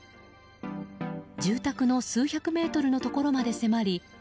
住宅の数百メートルのところまで迫り